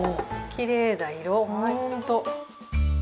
きれいな色ほんと。